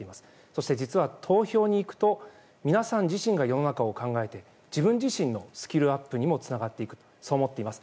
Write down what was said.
そして実は投票に行くと皆さん自身が世の中を考えて自分自身のスキルアップにもつながっていくと考えています。